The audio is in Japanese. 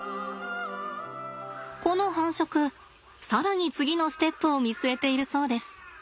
この繁殖更に次のステップを見据えているそうです。